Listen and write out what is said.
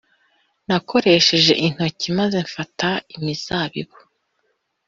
Nakoresheje intoki maze mfata imizabibu